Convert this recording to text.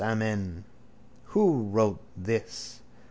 Amen._ Who wrote this?